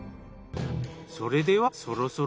それではそろそろ。